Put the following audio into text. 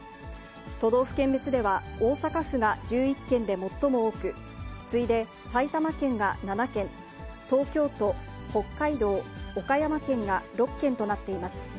都道府県別では、大阪府が１１件で最も多く、次いで埼玉県が７件、東京都、北海道、岡山県が６件となっています。